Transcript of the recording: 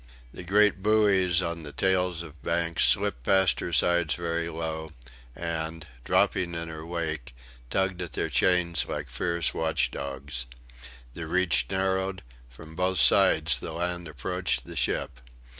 The big buoys on the tails of banks slipped past her sides very low, and, dropping in her wake, tugged at their chains like fierce watchdogs. The reach narrowed; from both sides the land approached the ship.